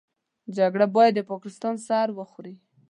جګړه بايد د پاکستان سر وخوري.